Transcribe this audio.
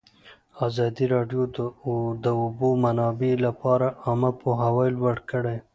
ازادي راډیو د د اوبو منابع لپاره عامه پوهاوي لوړ کړی.